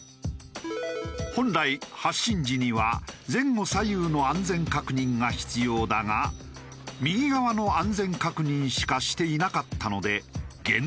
本来発進時には前後左右の安全確認が必要だが右側の安全確認しかしていなかったので減点に。